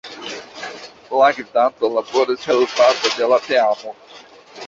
La Gvidanto laboras helpata de la Teamo.